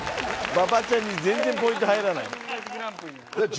馬場ちゃんに全然ポイント入らないね。